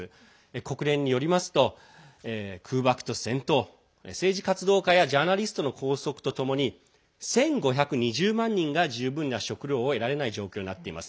国連によりますと、空爆と戦闘政治活動家やジャーナリストの拘束とともに１５２０万人が十分な食料を得られない状況になっています。